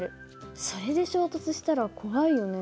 それで衝突したら怖いよね。